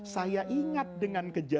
saya ingat dengan kebenaran